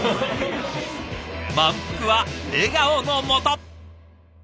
満腹は笑顔のもと！